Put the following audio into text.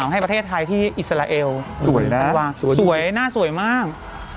ให้ประเทศไทยที่อิสราเอลสวยนะสวยหน้าสวยมาก